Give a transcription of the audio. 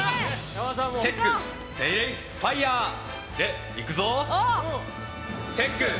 「テック・セイレイ・ファイヤー」でいくぞ！